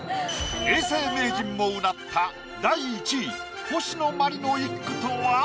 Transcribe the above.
永世名人もうなった第１位星野真里の一句とは？